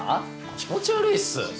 気持ち悪いっす。